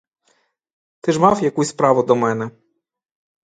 Ти ж мав якусь справу до мене.